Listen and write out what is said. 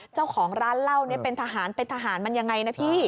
เจ้าของร้านเหล้าเนี่ยเป็นทหารเป็นทหารมันยังไงนะพี่